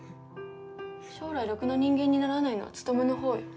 将来ろくな人間にならないのは努の方よ。